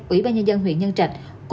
ủy ban nhân dân huyện nhân trạch